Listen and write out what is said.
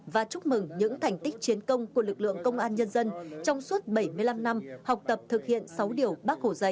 và chúc mừng những thành tích chiến công của lực lượng công an nhân dân trong suốt bảy mươi năm năm học tập thực hiện sáu điều bác hồ dạy